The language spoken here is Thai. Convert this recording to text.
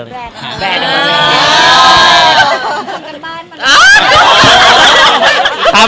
มันกันบ้าน